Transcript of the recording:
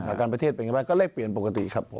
การประเทศเป็นไงบ้างก็แลกเปลี่ยนปกติครับผม